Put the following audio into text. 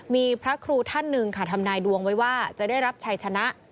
มีพระครูท่านหนึ่งค่ะทำนายดวงไว้ว่าจะได้รับชัยชนะ